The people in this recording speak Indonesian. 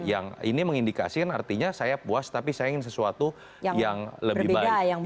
yang ini mengindikasikan artinya saya puas tapi saya ingin sesuatu yang lebih baik